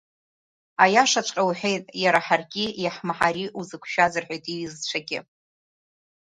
Аиашаҵәҟьа уҳәеит, иара ҳаргьы иаҳмаҳари узықәшәаз, — рҳәеит иҩызцәагьы.